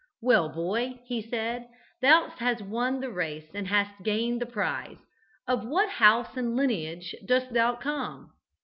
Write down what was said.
"Well, boy," he said, "thou hast won the race and hast gained the prize. Of what house and lineage dost thou come?"